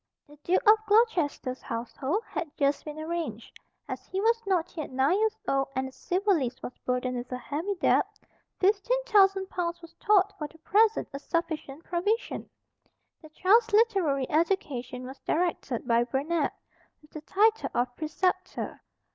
The Duke of Gloucester's household had just been arranged. As he was not yet nine years old, and the civil list was burdened with a heavy debt, fifteen thousand pounds was thought for the present a sufficient provision. The child's literary education was directed by Burnet, with the title of Preceptor.